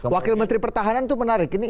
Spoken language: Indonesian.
wakil menteri pertahanan itu menarik